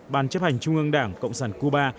bàn chấp hành trung ương đảng cộng sản cuba